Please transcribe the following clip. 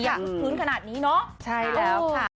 พื้นขนาดนี้เนอะใช่แล้วค่ะ